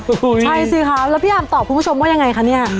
ใช่สิคะแล้วพี่อาร์มตอบคุณผู้ชมว่ายังไงคะเนี่ย